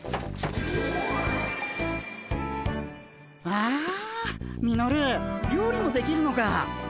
わあミノル料理もできるのか。